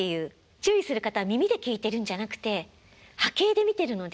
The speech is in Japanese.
注意する方は耳で聞いてるんじゃなくて波形で見てるので。